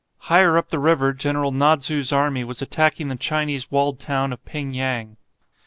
Higher up the river General Nodzu's army was attacking the Chinese walled town of Ping yang.